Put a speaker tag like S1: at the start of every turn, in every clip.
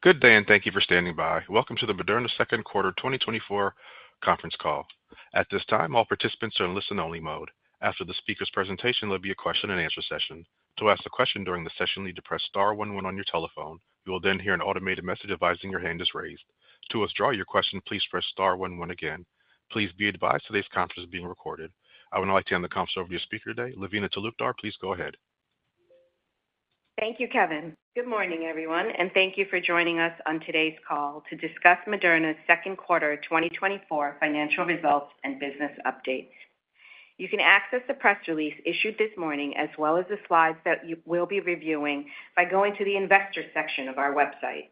S1: Good day, and thank you for standing by. Welcome to the Moderna Second Quarter 2024 conference call. At this time, all participants are in listen-only mode. After the speaker's presentation, there'll be a question-and-answer session. To ask a question during the session, you need to press star one one on your telephone. You will then hear an automated message advising your hand is raised. To withdraw your question, please press star one one again. Please be advised today's conference is being recorded. I would now like to hand the conference over to your speaker today, Lavina Talukdar. Please go ahead.
S2: Thank you, Kevin. Good morning, everyone, and thank you for joining us on today's call to discuss Moderna's Second Quarter 2024 financial results and business update. You can access the press release issued this morning, as well as the slides that you will be reviewing, by going to the investor section of our website.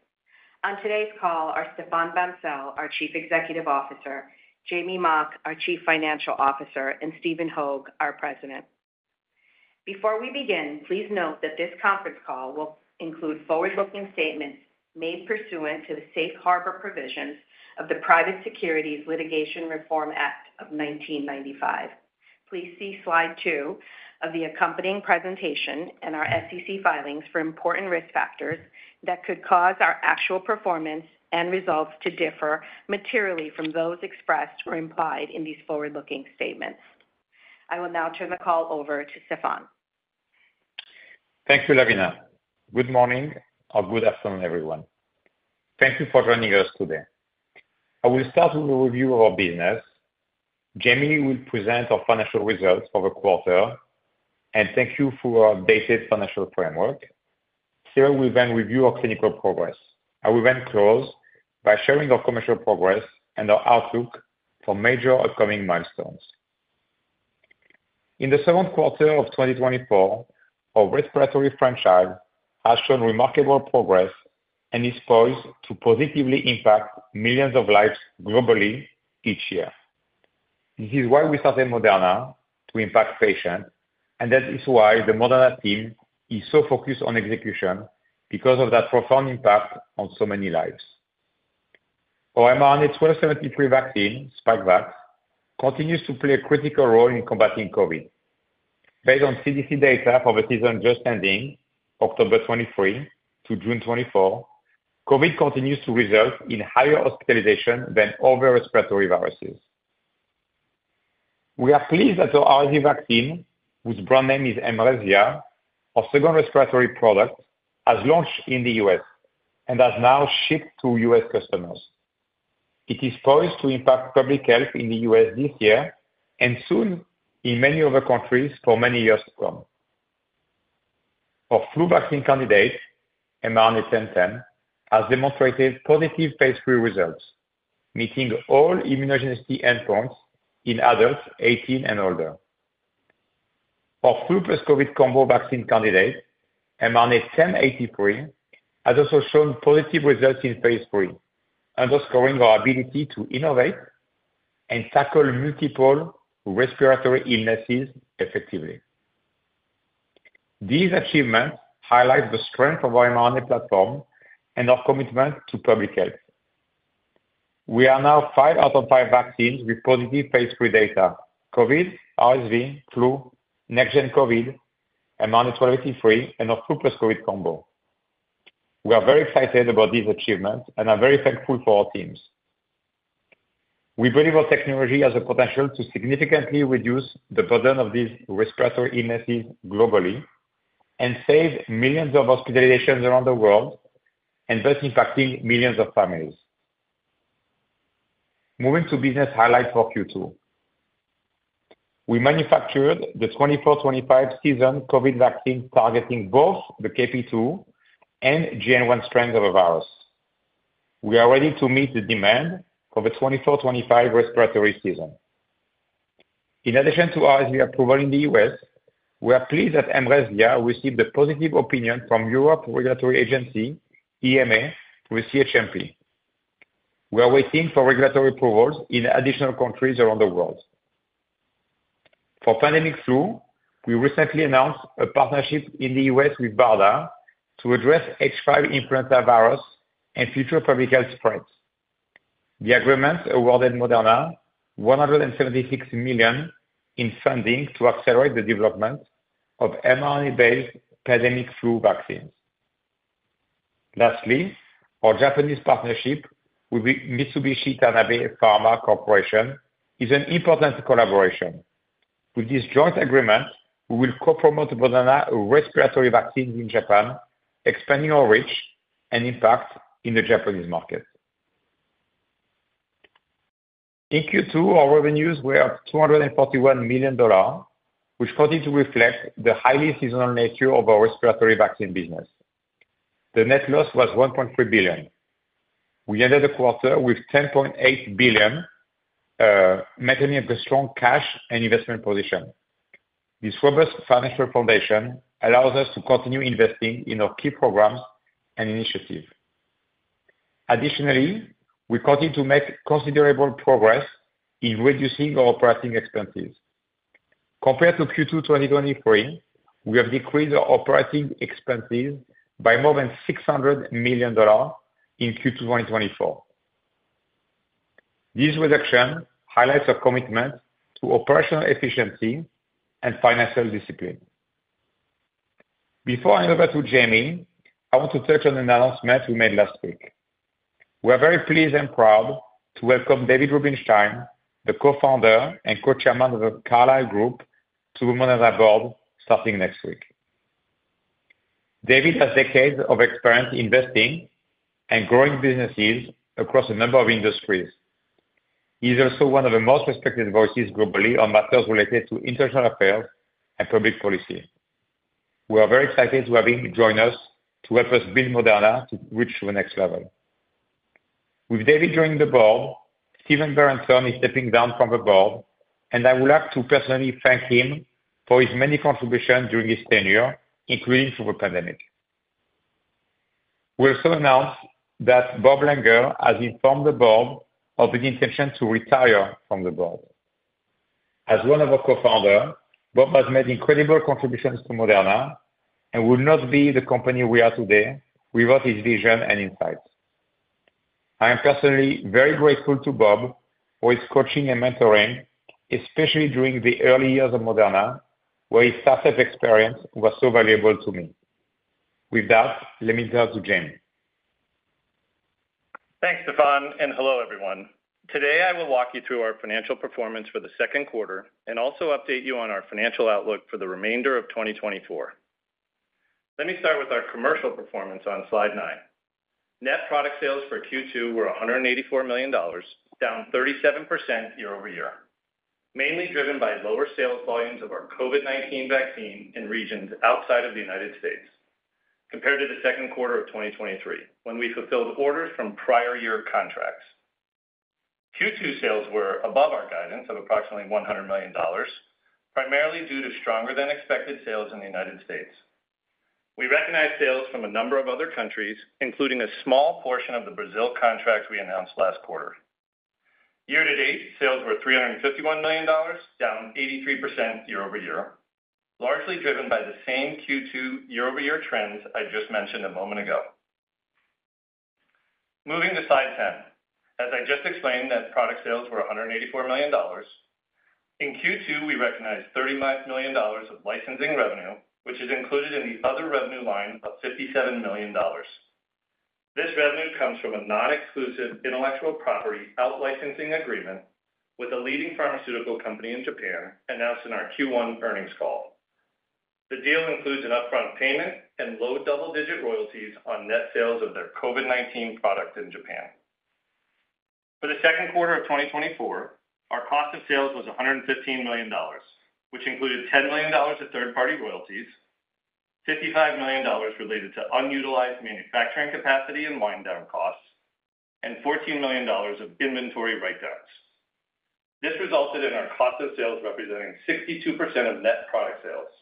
S2: On today's call are Stéphane Bancel, our Chief Executive Officer, Jamey Mock, our Chief Financial Officer, and Stephen Hoge, our President. Before we begin, please note that this conference call will include forward-looking statements made pursuant to the safe harbor provisions of the Private Securities Litigation Reform Act of 1995. Please see slide 2 of the accompanying presentation and our SEC filings for important risk factors that could cause our actual performance and results to differ materially from those expressed or implied in these forward-looking statements. I will now turn the call over to Stéphane.
S3: Thank you, Lavina. Good morning or good afternoon, everyone. Thank you for joining us today. I will start with a review of our business. Jamey will present our financial results for the quarter and then our updated financial framework. Stephen will then review our clinical progress. I will then close by sharing our commercial progress and our outlook for major upcoming milestones. In the second quarter of 2024, our respiratory franchise has shown remarkable progress and is poised to positively impact millions of lives globally each year. This is why we started Moderna, to impact patients, and that is why the Moderna team is so focused on execution, because of that profound impact on so many lives. Our mRNA-1273 vaccine, Spikevax, continues to play a critical role in combating COVID. Based on CDC data for the season just ending, October 2023 to June 2024, COVID continues to result in higher hospitalization than other respiratory viruses. We are pleased that our RSV vaccine, whose brand name is mRESVIA, our second respiratory product, has launched in the U.S. and has now shipped to U.S. customers. It is poised to impact public health in the U.S. this year and soon in many other countries for many years to come. Our flu vaccine candidate, mRNA-1010, has demonstrated positive phase III results, meeting all immunogenicity endpoints in adults 18 and older. Our flu/COVID combo vaccine candidate, mRNA-1083, has also shown positive results in phase III, underscoring our ability to innovate and tackle multiple respiratory illnesses effectively. These achievements highlight the strength of our mRNA platform and our commitment to public health. We are now 5 out of 5 vaccines with positive phase III data: COVID, RSV, flu, NextGen COVID, mRNA-1283, and our flu/COVID combo. We are very excited about these achievements and are very thankful for our teams. We believe our technology has the potential to significantly reduce the burden of these respiratory illnesses globally and save millions of hospitalizations around the world, and thus impacting millions of families. Moving to business highlights for Q2. We manufactured the 2024-25 season COVID vaccine targeting both the KP.2 and JN.1 strains of the virus. We are ready to meet the demand for the 2024-25 respiratory season. In addition to RSV approval in the US, we are pleased that mRESVIA received a positive opinion from the European Regulatory Agency, EMA, through CHMP. We are waiting for regulatory approvals in additional countries around the world. For pandemic flu, we recently announced a partnership in the U.S. with BARDA to address H5 influenza virus and future public health spreads. The agreement awarded Moderna $176 million in funding to accelerate the development of mRNA-based pandemic flu vaccines. Lastly, our Japanese partnership with Mitsubishi Tanabe Pharma Corporation is an important collaboration. With this joint agreement, we will co-promote Moderna respiratory vaccines in Japan, expanding our reach and impact in the Japanese market. In Q2, our revenues were $241 million, which continues to reflect the highly seasonal nature of our respiratory vaccine business. The net loss was $1.3 billion. We ended the quarter with $10.8 billion, maintaining a strong cash and investment position. This robust financial foundation allows us to continue investing in our key programs and initiatives. Additionally, we continue to make considerable progress in reducing our operating expenses. Compared to Q2 2023, we have decreased our operating expenses by more than $600 million in Q2 2024. This reduction highlights our commitment to operational efficiency and financial discipline. Before I hand over to Jamey, I want to touch on an announcement we made last week. We are very pleased and proud to welcome David Rubenstein, the co-founder and co-chairman of the Carlyle Group, to the Moderna board starting next week. David has decades of experience investing and growing businesses across a number of industries. He is also one of the most respected voices globally on matters related to international affairs and public policy. We are very excited to have him join us to help us build Moderna to reach the next level. With David joining the board, Stephen Berenson is stepping down from the board, and I would like to personally thank him for his many contributions during his tenure, including through the pandemic. We also announce that Bob Langer has informed the board of his intention to retire from the board. As one of our co-founders, Bob has made incredible contributions to Moderna and would not be the company we are today without his vision and insights. I am personally very grateful to Bob for his coaching and mentoring, especially during the early years of Moderna, where his startup experience was so valuable to me. With that, let me turn to Jamey.
S4: Thanks, Stéphane, and hello, everyone. Today, I will walk you through our financial performance for the second quarter and also update you on our financial outlook for the remainder of 2024. Let me start with our commercial performance on slide 9. Net product sales for Q2 were $184 million, down 37% year-over-year, mainly driven by lower sales volumes of our COVID-19 vaccine in regions outside of the United States, compared to the second quarter of 2023, when we fulfilled orders from prior year contracts. Q2 sales were above our guidance of approximately $100 million, primarily due to stronger-than-expected sales in the United States. We recognize sales from a number of other countries, including a small portion of the Brazil contract we announced last quarter. Year to date, sales were $351 million, down 83% year-over-year, largely driven by the same Q2 year-over-year trends I just mentioned a moment ago. Moving to slide 10, as I just explained, net product sales were $184 million. In Q2, we recognized $35 million of licensing revenue, which is included in the other revenue line of $57 million. This revenue comes from a non-exclusive intellectual property outlicensing agreement with a leading pharmaceutical company in Japan, announced in our Q1 earnings call. The deal includes an upfront payment and low double-digit royalties on net sales of their COVID-19 product in Japan. For the second quarter of 2024, our cost of sales was $115 million, which included $10 million of third-party royalties, $55 million related to unutilized manufacturing capacity and wind-down costs, and $14 million of inventory write-downs. This resulted in our cost of sales representing 62% of net product sales.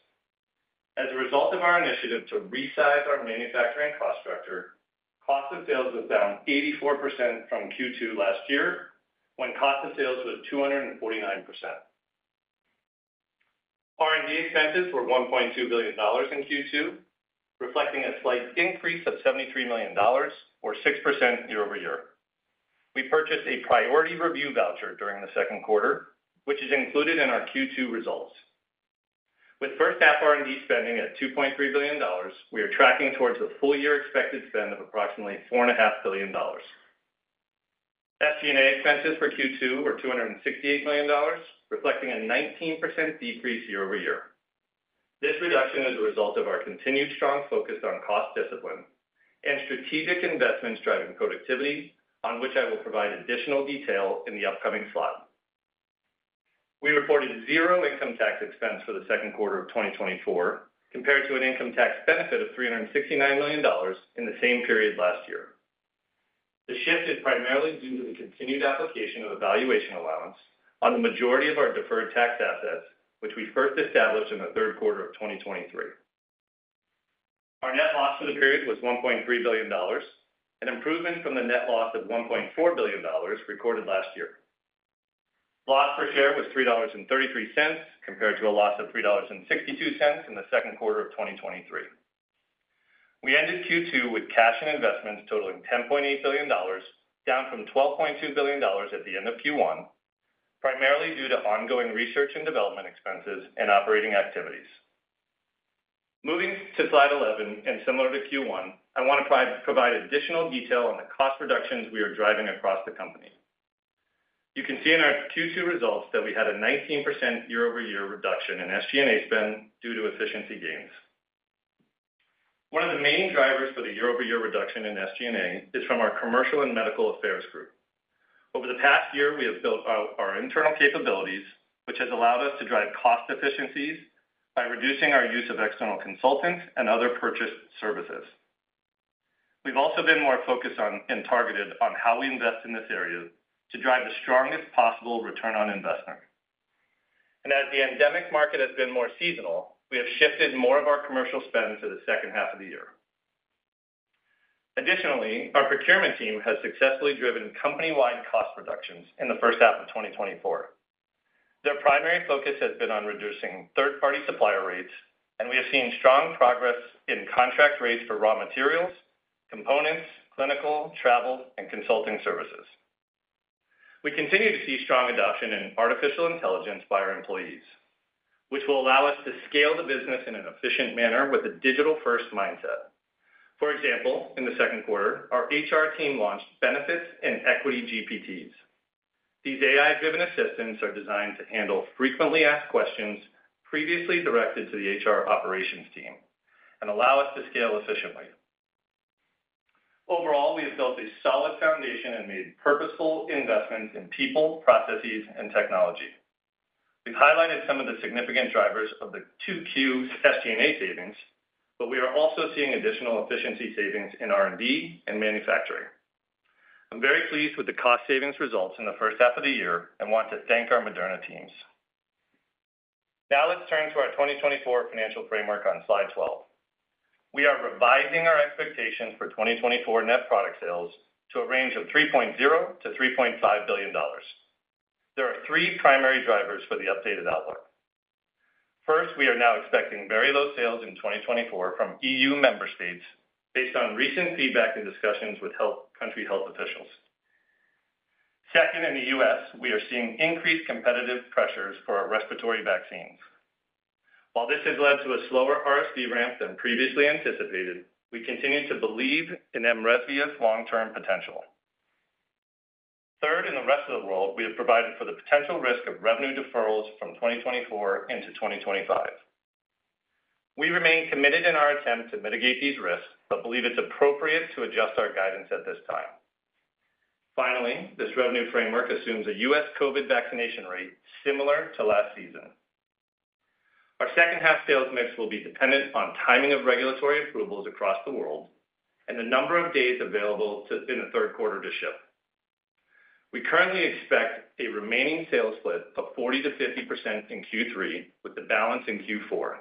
S4: As a result of our initiative to resize our manufacturing cost structure, cost of sales was down 84% from Q2 last year, when cost of sales was 249%. R&D expenses were $1.2 billion in Q2, reflecting a slight increase of $73 million, or 6% year-over-year. We purchased a priority review voucher during the second quarter, which is included in our Q2 results. With first-half R&D spending at $2.3 billion, we are tracking towards a full-year expected spend of approximately $4.5 billion. SG&A expenses for Q2 were $268 million, reflecting a 19% decrease year-over-year. This reduction is a result of our continued strong focus on cost discipline and strategic investments driving productivity, on which I will provide additional detail in the upcoming slide. We reported zero income tax expense for the second quarter of 2024, compared to an income tax benefit of $369 million in the same period last year. The shift is primarily due to the continued application of a valuation allowance on the majority of our deferred tax assets, which we first established in the third quarter of 2023. Our net loss for the period was $1.3 billion, an improvement from the net loss of $1.4 billion recorded last year. Loss per share was $3.33, compared to a loss of $3.62 in the second quarter of 2023. We ended Q2 with cash and investments totaling $10.8 billion, down from $12.2 billion at the end of Q1, primarily due to ongoing research and development expenses and operating activities. Moving to slide 11, and similar to Q1, I want to provide additional detail on the cost reductions we are driving across the company. You can see in our Q2 results that we had a 19% year-over-year reduction in SG&A spend due to efficiency gains. One of the main drivers for the year-over-year reduction in SG&A is from our commercial and medical affairs group. Over the past year, we have built our internal capabilities, which has allowed us to drive cost efficiencies by reducing our use of external consultants and other purchased services. We've also been more focused and targeted on how we invest in this area to drive the strongest possible return on investment. As the endemic market has been more seasonal, we have shifted more of our commercial spend to the second half of the year. Additionally, our procurement team has successfully driven company-wide cost reductions in the first half of 2024. Their primary focus has been on reducing third-party supplier rates, and we have seen strong progress in contract rates for raw materials, components, clinical, travel, and consulting services. We continue to see strong adoption in artificial intelligence by our employees, which will allow us to scale the business in an efficient manner with a digital-first mindset. For example, in the second quarter, our HR team launched Benefits and Equity GPTs. These AI-driven assistants are designed to handle frequently asked questions previously directed to the HR operations team and allow us to scale efficiently. Overall, we have built a solid foundation and made purposeful investments in people, processes, and technology. We've highlighted some of the significant drivers of the 2Q SG&A savings, but we are also seeing additional efficiency savings in R&D and manufacturing. I'm very pleased with the cost savings results in the first half of the year and want to thank our Moderna teams. Now let's turn to our 2024 financial framework on slide 12. We are revising our expectations for 2024 net product sales to a range of $3.0-$3.5 billion. There are three primary drivers for the updated outlook. First, we are now expecting very low sales in 2024 from EU member states based on recent feedback and discussions with country health officials. Second, in the U.S., we are seeing increased competitive pressures for our respiratory vaccines. While this has led to a slower RSV ramp than previously anticipated, we continue to believe in mRESVIA's long-term potential. Third, in the rest of the world, we have provided for the potential risk of revenue deferrals from 2024 into 2025. We remain committed in our attempt to mitigate these risks, but believe it's appropriate to adjust our guidance at this time. Finally, this revenue framework assumes a US COVID vaccination rate similar to last season. Our second-half sales mix will be dependent on timing of regulatory approvals across the world and the number of days available in the third quarter to ship. We currently expect a remaining sales split of 40%-50% in Q3, with the balance in Q4.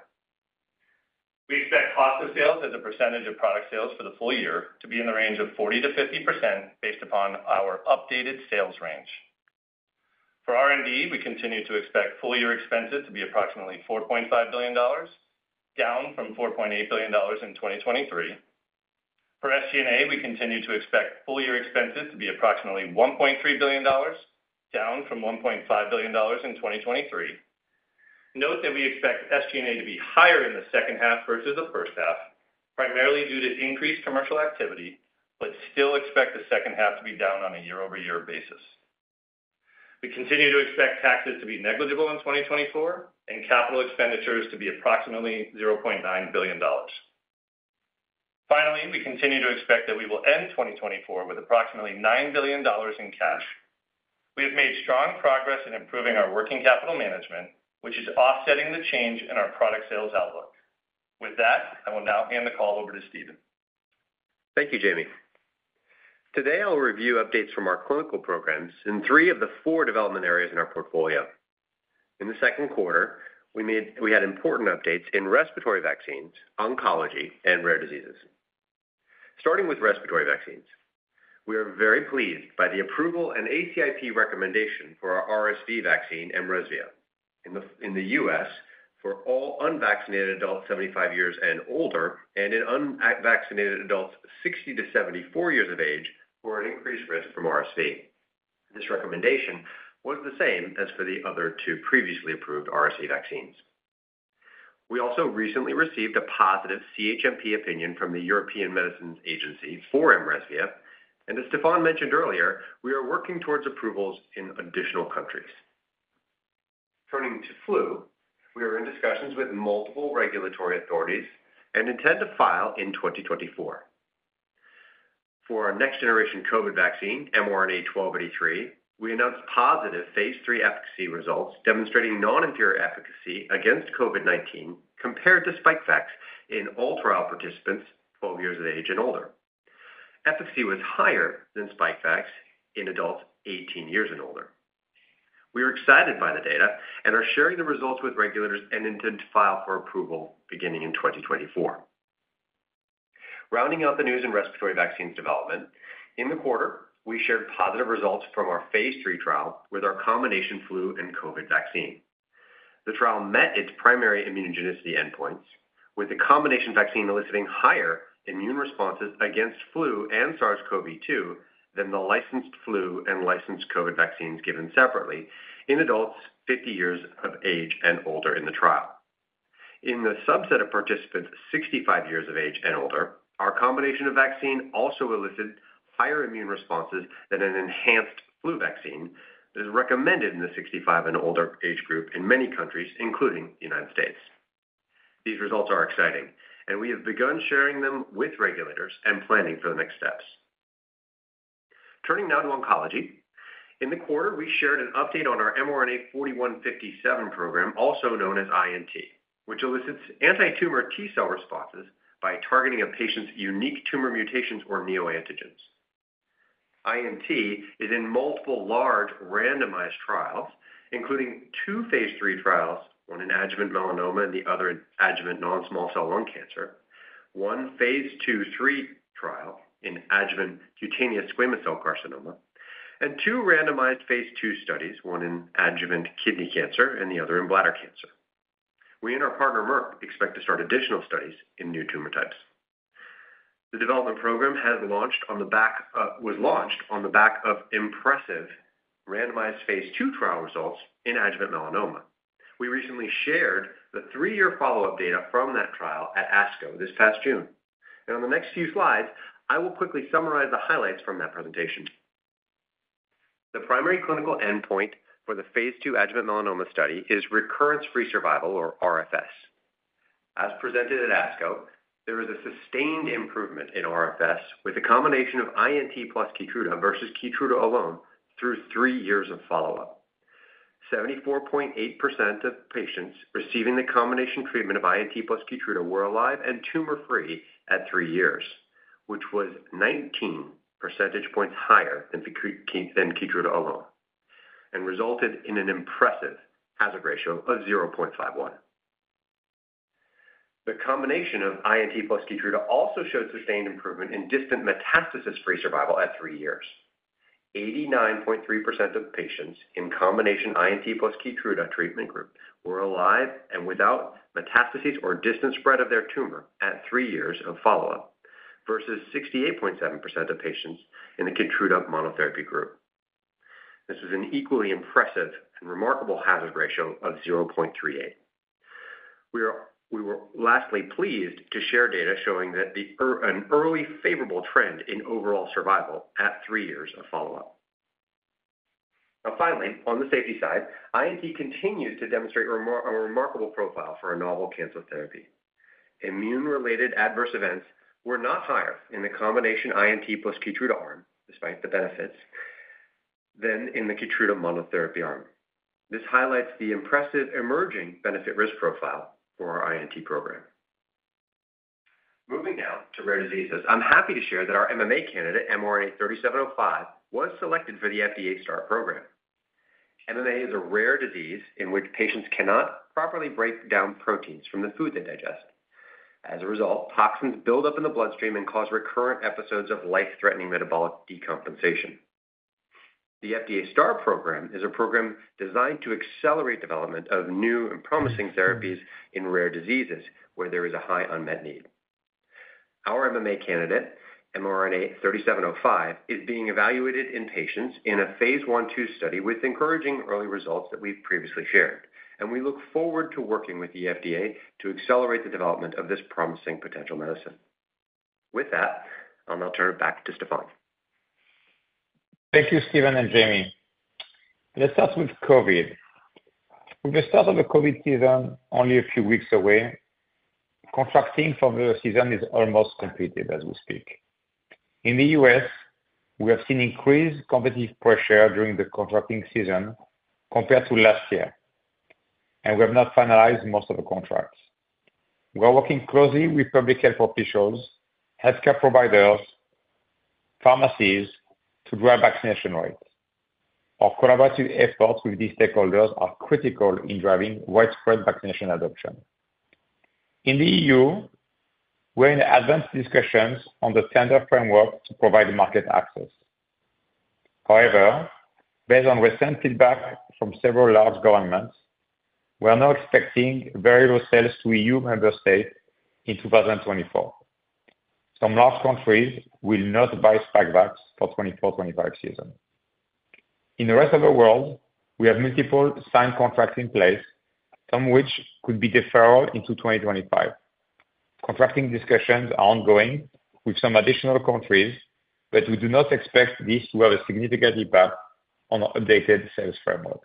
S4: We expect cost of sales as a percentage of product sales for the full year to be in the range of 40%-50% based upon our updated sales range. For R&D, we continue to expect full-year expenses to be approximately $4.5 billion, down from $4.8 billion in 2023. For SG&A, we continue to expect full-year expenses to be approximately $1.3 billion, down from $1.5 billion in 2023. Note that we expect SG&A to be higher in the second half versus the first half, primarily due to increased commercial activity, but still expect the second half to be down on a year-over-year basis. We continue to expect taxes to be negligible in 2024 and capital expenditures to be approximately $0.9 billion. Finally, we continue to expect that we will end 2024 with approximately $9 billion in cash. We have made strong progress in improving our working capital management, which is offsetting the change in our product sales outlook. With that, I will now hand the call over to Stephen.
S5: Thank you, Jamey. Today, I'll review updates from our clinical programs in three of the four development areas in our portfolio. In the second quarter, we had important updates in respiratory vaccines, oncology, and rare diseases. Starting with respiratory vaccines, we are very pleased by the approval and ACIP recommendation for our RSV vaccine, mRESVIA, in the U.S. for all unvaccinated adults 75 years and older and in unvaccinated adults 60 to 74 years of age who are at increased risk from RSV. This recommendation was the same as for the other two previously approved RSV vaccines. We also recently received a positive CHMP opinion from the European Medicines Agency for mRESVIA, and as Stéphane mentioned earlier, we are working towards approvals in additional countries. Turning to flu, we are in discussions with multiple regulatory authorities and intend to file in 2024. For our next-generation COVID vaccine, mRNA-1283, we announced positive phase III efficacy results demonstrating non-inferior efficacy against COVID-19 compared to Spikevax in all trial participants 12 years of age and older. Efficacy was higher than Spikevax in adults 18 years and older. We are excited by the data and are sharing the results with regulators and intend to file for approval beginning in 2024. Rounding out the news in respiratory vaccines development, in the quarter, we shared positive results from our phase III trial with our combination flu and COVID vaccine. The trial met its primary immunogenicity endpoints, with the combination vaccine eliciting higher immune responses against flu and SARS-CoV-2 than the licensed flu and licensed COVID vaccines given separately in adults 50 years of age and older in the trial. In the subset of participants 65 years of age and older, our combination vaccine also elicited higher immune responses than an enhanced flu vaccine that is recommended in the 65 and older age group in many countries, including the United States. These results are exciting, and we have begun sharing them with regulators and planning for the next steps. Turning now to oncology, in the quarter, we shared an update on our mRNA-4157 program, also known as INT, which elicits anti-tumor T-cell responses by targeting a patient's unique tumor mutations or neoantigens. INT is in multiple large randomized trials, including two phase III trials, one in adjuvant melanoma and the other in adjuvant non-small cell lung cancer, one phase II/III trial in adjuvant cutaneous squamous cell carcinoma, and two randomized phase II studies, one in adjuvant kidney cancer and the other in bladder cancer. We, and our partner Merck, expect to start additional studies in new tumor types. The development program has launched on the back of impressive randomized phase II trial results in adjuvant melanoma. We recently shared the 3-year follow-up data from that trial at ASCO this past June. On the next few slides, I will quickly summarize the highlights from that presentation. The primary clinical endpoint for the phase II adjuvant melanoma study is recurrence-free survival, or RFS. As presented at ASCO, there is a sustained improvement in RFS with a combination of INT plus Keytruda versus Keytruda alone through 3 years of follow-up. 74.8% of patients receiving the combination treatment of INT plus Keytruda were alive and tumor-free at 3 years, which was 19 percentage points higher than Keytruda alone, and resulted in an impressive hazard ratio of 0.51. The combination of INT plus Keytruda also showed sustained improvement in distant metastasis-free survival at three years. 89.3% of patients in combination INT plus Keytruda treatment group were alive and without metastasis or distant spread of their tumor at three years of follow-up versus 68.7% of patients in the Keytruda monotherapy group. This is an equally impressive and remarkable hazard ratio of 0.38. We were lastly pleased to share data showing an early favorable trend in overall survival at three years of follow-up. Now, finally, on the safety side, INT continues to demonstrate a remarkable profile for a novel cancer therapy. Immune-related adverse events were not higher in the combination INT plus Keytruda arm, despite the benefits, than in the Keytruda monotherapy arm. This highlights the impressive emerging benefit-risk profile for our INT program. Moving now to rare diseases, I'm happy to share that our MMA candidate, mRNA-3705, was selected for the FDA START program. MMA is a rare disease in which patients cannot properly break down proteins from the food they digest. As a result, toxins build up in the bloodstream and cause recurrent episodes of life-threatening metabolic decompensation. The FDA START program is a program designed to accelerate development of new and promising therapies in rare diseases where there is a high unmet need. Our MMA candidate, mRNA-3705, is being evaluated in patients in a phase I/II study with encouraging early results that we've previously shared, and we look forward to working with the FDA to accelerate the development of this promising potential medicine. With that, I'll now turn it back to Stéphane.
S3: Thank you, Stephen and Jamey. Let's start with COVID. We've just started the COVID season only a few weeks away. Contracting for the season is almost completed as we speak. In the U.S., we have seen increased competitive pressure during the contracting season compared to last year, and we have not finalized most of the contracts. We are working closely with public health officials, healthcare providers, and pharmacies to drive vaccination rates. Our collaborative efforts with these stakeholders are critical in driving widespread vaccination adoption. In the EU, we're in advanced discussions on the tender framework to provide market access. However, based on recent feedback from several large governments, we are now expecting very low sales to EU member states in 2024. Some large countries will not buy Spikevax for the 2024/2025 season. In the rest of the world, we have multiple signed contracts in place, some of which could be deferred into 2025. Contracting discussions are ongoing with some additional countries, but we do not expect this to have a significant impact on our updated sales framework.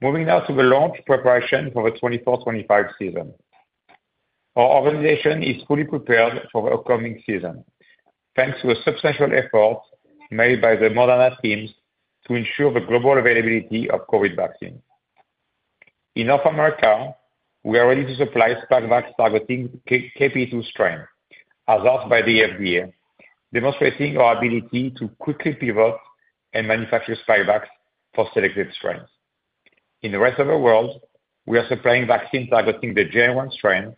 S3: Moving now to the launch preparation for the 2024/2025 season. Our organization is fully prepared for the upcoming season thanks to the substantial efforts made by the Moderna teams to ensure the global availability of COVID vaccine. In North America, we are ready to supply Spikevax targeting KP.2 strain, as asked by the FDA, demonstrating our ability to quickly pivot and manufacture Spikevax for selected strains. In the rest of the world, we are supplying vaccine targeting the JN.1 strain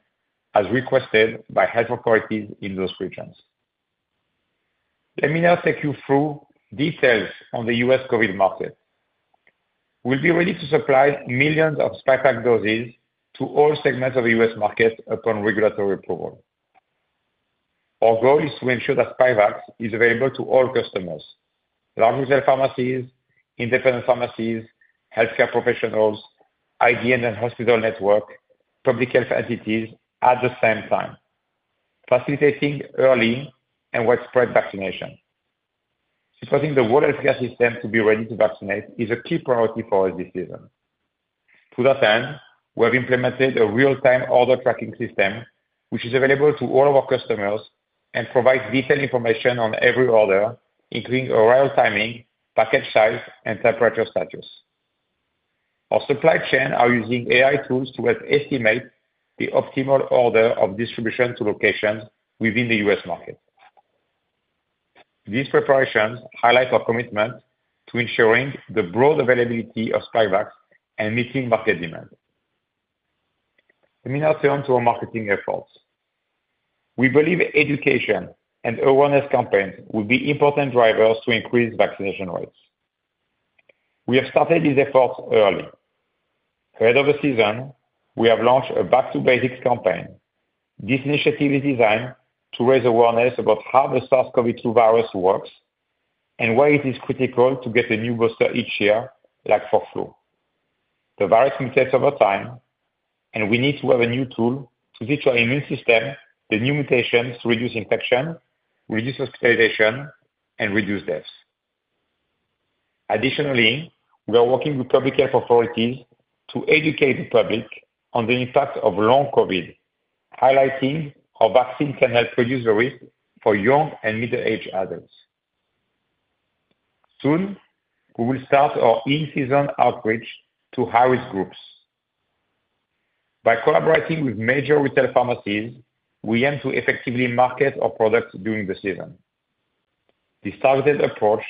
S3: as requested by health authorities in those regions. Let me now take you through details on the U.S. COVID market. We'll be ready to supply millions of Spikevax doses to all segments of the U.S. market upon regulatory approval. Our goal is to ensure that Spikevax is available to all customers: large retail pharmacies, independent pharmacies, healthcare professionals, IDN and hospital network, public health entities at the same time, facilitating early and widespread vaccination. Supporting the whole healthcare system to be ready to vaccinate is a key priority for us this season. To that end, we have implemented a real-time order tracking system, which is available to all of our customers and provides detailed information on every order, including arrival timing, package size, and temperature status. Our supply chains are using AI tools to estimate the optimal order of distribution to locations within the U.S. market. These preparations highlight our commitment to ensuring the broad availability of Spikevax and meeting market demand. Let me now turn to our marketing efforts. We believe education and awareness campaigns will be important drivers to increase vaccination rates. We have started these efforts early. Ahead of the season, we have launched a Back to Basics campaign. This initiative is designed to raise awareness about how the SARS-CoV-2 virus works and why it is critical to get a new booster each year, like for flu. The virus mutates over time, and we need to have a new tool to teach our immune system the new mutations to reduce infection, reduce hospitalization, and reduce deaths. Additionally, we are working with public health authorities to educate the public on the impact of long COVID, highlighting how vaccine can help reduce the risk for young and middle-aged adults. Soon, we will start our in-season outreach to high-risk groups. By collaborating with major retail pharmacies, we aim to effectively market our products during the season. This targeted approach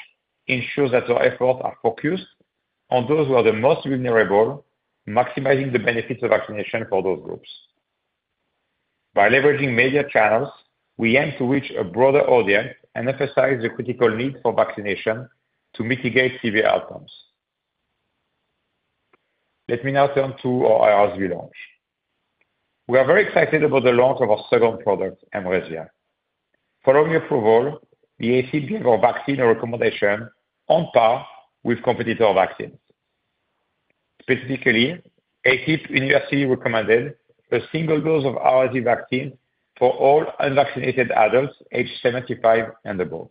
S3: ensures that our efforts are focused on those who are the most vulnerable, maximizing the benefits of vaccination for those groups. By leveraging media channels, we aim to reach a broader audience and emphasize the critical need for vaccination to mitigate severe outcomes. Let me now turn to our RSV launch. We are very excited about the launch of our second product, mRESVIA. Following approval, the ACIP gave our vaccine a recommendation on par with competitor vaccines. Specifically, ACIP unanimously recommended a single dose of RSV vaccine for all unvaccinated adults aged 75 and above.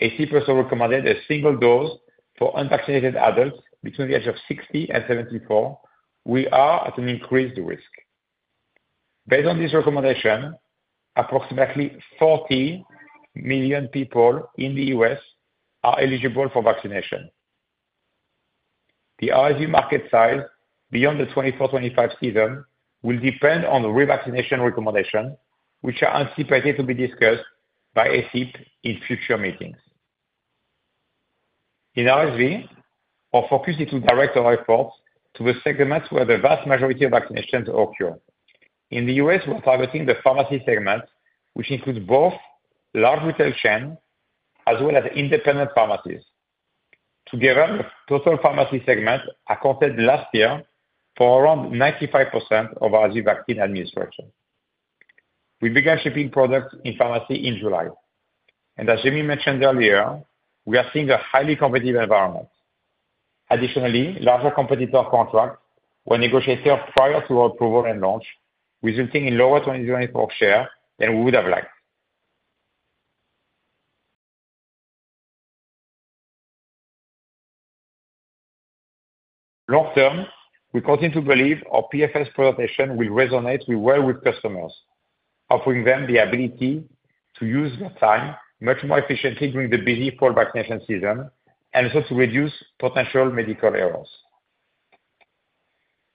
S3: ACIP also recommended a single dose for unvaccinated adults between the age of 60 and 74, which are at an increased risk. Based on this recommendation, approximately 40 million people in the U.S. are eligible for vaccination. The RSV market size beyond the 2024/25 season will depend on the revaccination recommendations, which are anticipated to be discussed by ACIP in future meetings. In RSV, our focus is to direct our efforts to the segments where the vast majority of vaccinations occur. In the U.S., we're targeting the pharmacy segment, which includes both large retail chains as well as independent pharmacies. Together, the total pharmacy segment accounted last year for around 95% of RSV vaccine administration. We began shipping products in pharmacy in July. As Jamey mentioned earlier, we are seeing a highly competitive environment. Additionally, larger competitor contracts were negotiated prior to our approval and launch, resulting in lower 2024 share than we would have liked. Long term, we continue to believe our PFS presentation will resonate well with customers, offering them the ability to use their time much more efficiently during the busy flu vaccination season and also to reduce potential medical errors.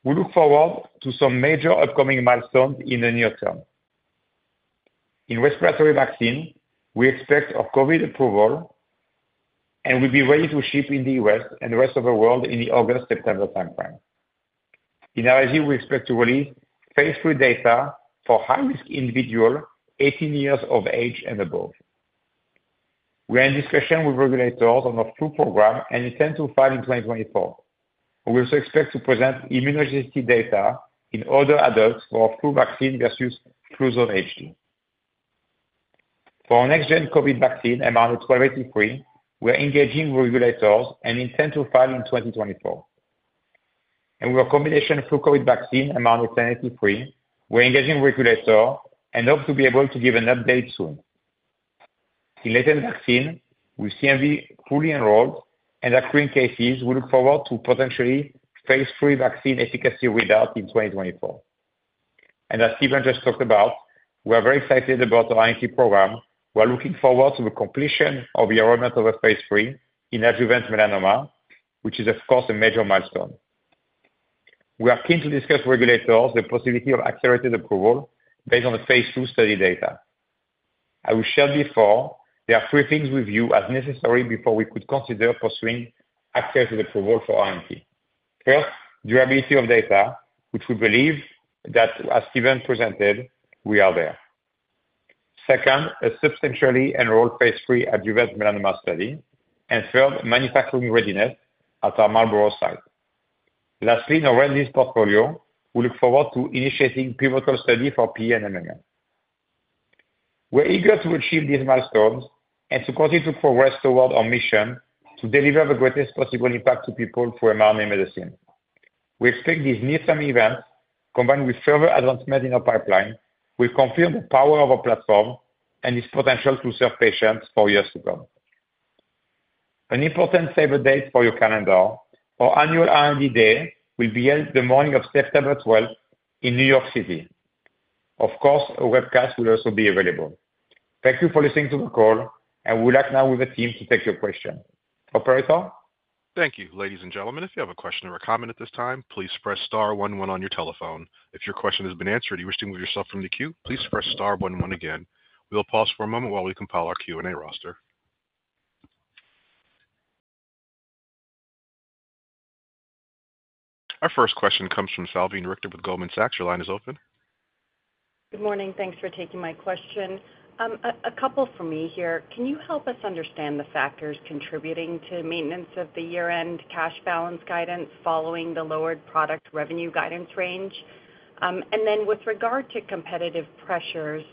S3: We look forward to some major upcoming milestones in the near term. In respiratory vaccine, we expect our COVID approval, and we'll be ready to ship in the U.S. and the rest of the world in the August-September timeframe. In RSV, we expect to release phase III data for high-risk individuals 18 years of age and above. We are in discussion with regulators on our flu program and intend to file in 2024. We also expect to present immunogenicity data in older adults for flu vaccine versus Fluzone HD. For our next-gen COVID vaccine, mRNA-1283, we are engaging with regulators and intend to file in 2024. And with our combination flu COVID vaccine, mRNA-1083, we're engaging with regulators and hope to be able to give an update soon. In latent vaccine, with CMV fully enrolled and accruing cases, we look forward to potentially phase III vaccine efficacy readout in 2024. And as Stephen just talked about, we are very excited about our INT program. We are looking forward to the completion of the enrollment of the phase III in adjuvant melanoma, which is, of course, a major milestone. We are keen to discuss with regulators the possibility of accelerated approval based on the phase II study data. As we shared before, there are three things we view as necessary before we could consider pursuing accelerated approval for INT. First, durability of data, which we believe that, as Stephen presented, we are there. Second, a substantially enrolled phase III adjuvant melanoma study. And third, manufacturing readiness at our Marlborough site. Lastly, in our R&D's portfolio, we look forward to initiating pivotal study for Norovirus and we're eager to achieve these milestones and to continue to progress toward our mission to deliver the greatest possible impact to people through mRNA medicine. We expect these near-term events, combined with further advancements in our pipeline, will confirm the power of our platform and its potential to serve patients for years to come. An important date for your calendar, our annual R&D day, will be held the morning of September 12th in New York City. Of course, a webcast will also be available. Thank you for listening to the call, and we'll open now with the team to take your questions. Operator?
S1: Thank you. Ladies and gentlemen, if you have a question or a comment at this time, please press star one one on your telephone. If your question has been answered, you wish to move yourself from the queue, please press star one one again. We'll pause for a moment while we compile our Q&A roster. Our first question comes from Salveen Richter with Goldman Sachs. Your line is open.
S6: Good morning. Thanks for taking my question. A couple for me here. Can you help us understand the factors contributing to maintenance of the year-end cash balance guidance following the lowered product revenue guidance range? And then, with regard to competitive pressures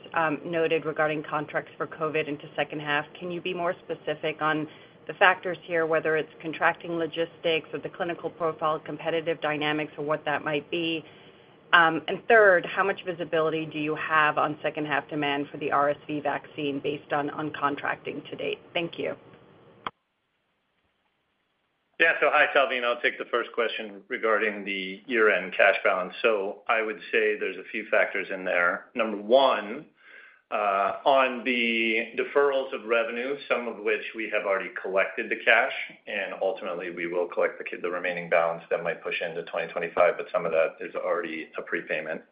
S6: noted regarding contracts for COVID into second half, can you be more specific on the factors here, whether it's contracting logistics or the clinical profile, competitive dynamics, or what that might be? And third, how much visibility do you have on second half demand for the RSV vaccine based on contracting to date? Thank you.
S4: Yeah. So hi, Salveen. I'll take the first question regarding the year-end cash balance. So I would say there's a few factors in there. Number one, on the deferrals of revenue, some of which we have already collected the cash, and ultimately, we will collect the remaining balance that might push into 2025, but some of that is already a prepayment.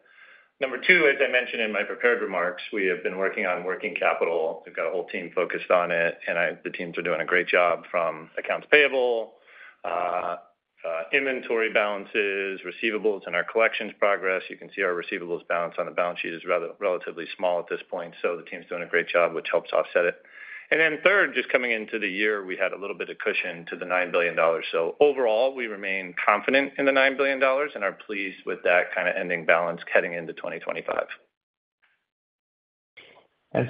S4: Number two, as I mentioned in my prepared remarks, we have been working on working capital. We've got a whole team focused on it, and the teams are doing a great job from accounts payable, inventory balances, receivables, and our collections progress. You can see our receivables balance on the balance sheet is relatively small at this point, so the team's doing a great job, which helps offset it. And then third, just coming into the year, we had a little bit of cushion to the $9 billion. So overall, we remain confident in the $9 billion and are pleased with that kind of ending balance heading into 2025.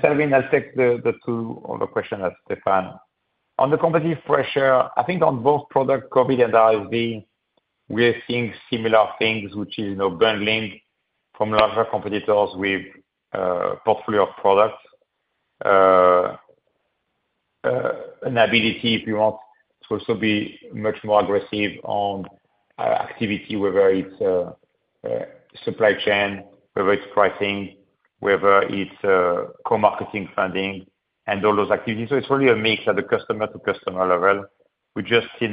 S7: Salveen, I'll take the two other questions that Stéphane asked. On the competitive pressure, I think on both product COVID and RSV, we are seeing similar things, which is bundling from larger competitors with a portfolio of products. An ability, if you want, to also be much more aggressive on activity, whether it's supply chain, whether it's pricing, whether it's co-marketing funding, and all those activities. So it's really a mix at the customer-to-customer level. We just see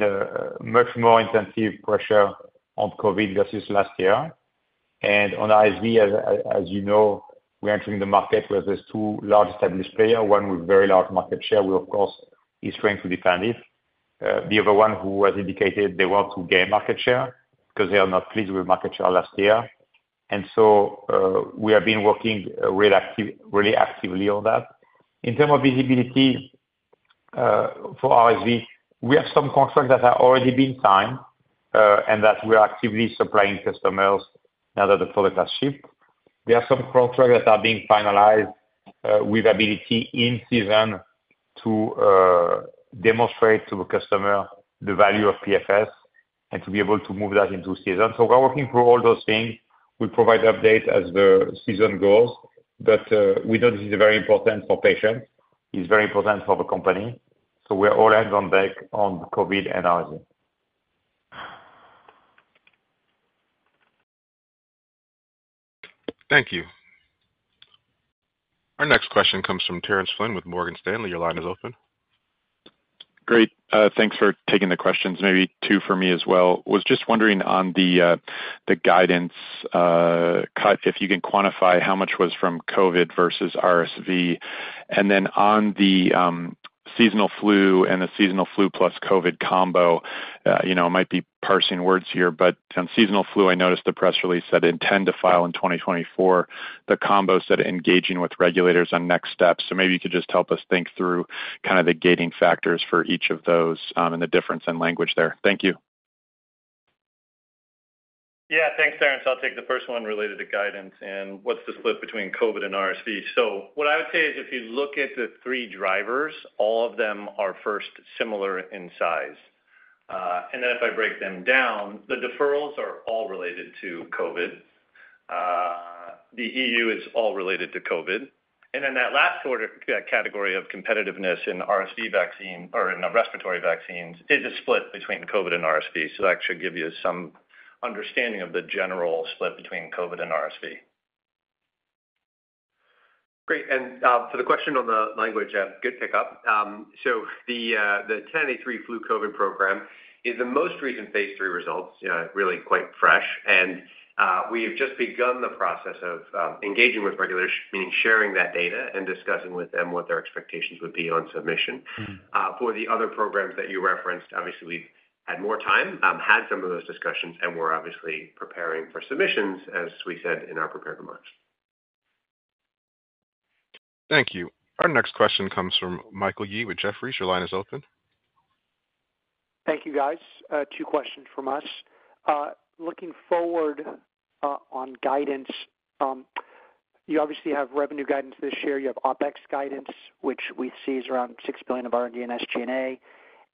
S7: much more intensive pressure on COVID versus last year. And on RSV, as you know, we're entering the market where there's two large established players, one with very large market share who, of course, is trying to defend it. The other one who has indicated they want to gain market share because they are not pleased with market share last year. And so we have been working really actively on that. In terms of visibility for RSV, we have some contracts that have already been signed and that we are actively supplying customers now that the product has shipped. There are some contracts that are being finalized with ability in season to demonstrate to the customer the value of PFS and to be able to move that into season. So we're working through all those things. We'll provide updates as the season goes, but we know this is very important for patients. It's very important for the company. So we're all hands on deck on COVID and RSV.
S1: Thank you. Our next question comes from Terrence Flynn with Morgan Stanley. Your line is open.
S8: Great. Thanks for taking the questions. Maybe two for me as well. I was just wondering on the guidance, if you can quantify how much was from COVID versus RSV? And then on the seasonal flu and the seasonal flu plus COVID combo, I might be parsing words here, but on seasonal flu, I noticed the press release said intend to file in 2024. The combo said engaging with regulators on next steps. So maybe you could just help us think through kind of the gating factors for each of those and the difference in language there. Thank you.
S4: Yeah. Thanks, Terrence. I'll take the first one related to guidance and what's the split between COVID and RSV. So what I would say is if you look at the three drivers, all of them are first similar in size. And then if I break them down, the deferrals are all related to COVID. The EU is all related to COVID. And then that last category of competitiveness in RSV vaccine or in respiratory vaccines is a split between COVID and RSV. So that should give you some understanding of the general split between COVID and RSV.
S5: Great. And for the question on the language, good pickup. So the 1083 flu COVID program is the most recent phase III results, really quite fresh. And we have just begun the process of engaging with regulators, meaning sharing that data and discussing with them what their expectations would be on submission. For the other programs that you referenced, obviously, we've had more time, had some of those discussions, and we're obviously preparing for submissions, as we said in our prepared remarks.
S1: Thank you. Our next question comes from Michael Yee with Jefferies. Your line is open.
S9: Thank you, guys. Two questions from us. Looking forward on guidance, you obviously have revenue guidance this year. You have OpEx guidance, which we see is around $6 billion of R&D and SG&A.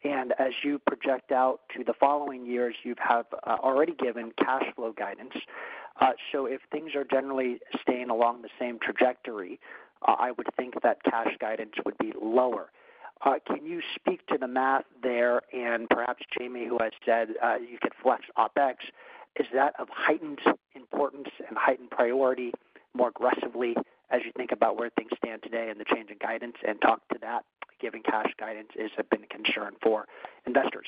S9: And as you project out to the following years, you have already given cash flow guidance. So if things are generally staying along the same trajectory, I would think that cash guidance would be lower. Can you speak to the math there? And perhaps Jamey, who had said you could flex OpEx, is that of heightened importance and heightened priority more aggressively as you think about where things stand today and the change in guidance and talk to that given cash guidance has been a concern for investors?